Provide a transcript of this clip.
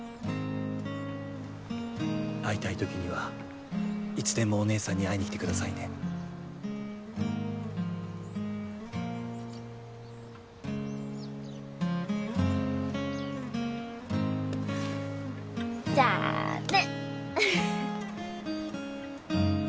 会いたい時にはいつでもお姉さんに会いに来てくださいねじゃあね